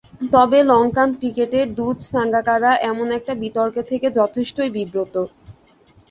তবে লঙ্কান ক্রিকেটের দূত সাঙ্গাকারা এমন একটা বিতর্কে থেকে যথেষ্টই বিব্রত।